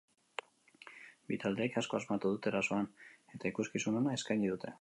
Bi taldeek asko asmatu dute erasoan, eta ikuskizun ona eskaini dute.